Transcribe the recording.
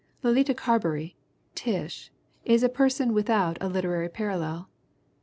Letitia Carberry, "Tish," is a per son without a literary parallel.